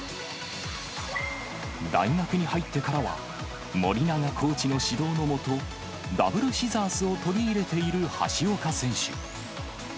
大学に入ってからは、森長コーチの指導の下、ダブルシザースを取り入れている橋岡選手。